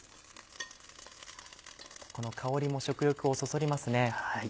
この香りも食欲をそそりますね。